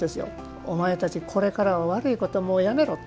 お前たち、これからは悪いことはやめろと。